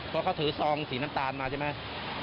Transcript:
เพราะเขาถือซองสีน้ำตาลมาใช่ไหม